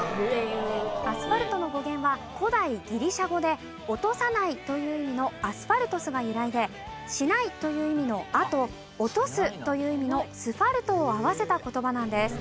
アスファルトの語源は古代ギリシャ語で「落とさない」という意味の「ａｓｐｈａｌｔｏｓ」が由来で「しない」という意味の「ａ」と「落とす」という意味の「ｓｐｈａｌｔ」を合わせた言葉なんです。